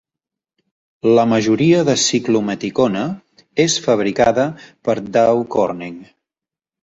La majoria de ciclometicona és fabricada per Dow Corning.